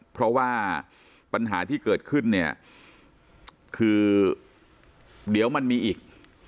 เพราะว่าปัญหาที่เกิดขึ้นเนี่ยคือเดี๋ยวมันมีอีก